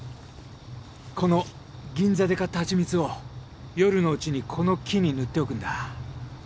この銀座で買った蜂蜜を夜のうちにこの木に塗っておくんだ。